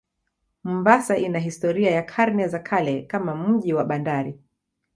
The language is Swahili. Mombasa ina historia ya karne za kale kama mji wa bandari.